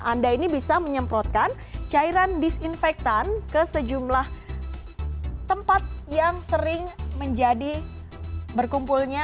anda ini bisa menyemprotkan cairan disinfektan ke sejumlah tempat yang sering menjadi berkumpulnya